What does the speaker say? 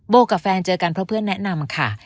กับแฟนเจอกันเพราะเพื่อนแนะนำค่ะ